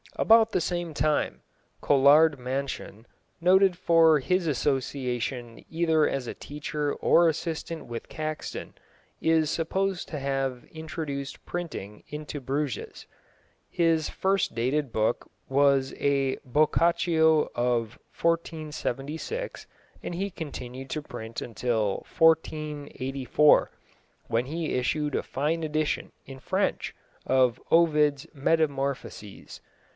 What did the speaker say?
About the same time, Colard Mansion, noted for his association either as teacher or assistant with Caxton, is supposed to have introduced printing into Bruges. His first dated book was a Boccaccio of 1476, and he continued to print until 1484, when he issued a fine edition, in French, of Ovid's Metamorphoses.